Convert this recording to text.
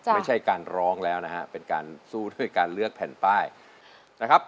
ไม่ใช่การร้องแล้วนะฮะเป็นการสู้ด้วยการเลือกแผ่นป้ายนะครับ